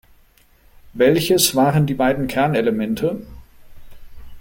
Welches waren die beiden Kernelemente?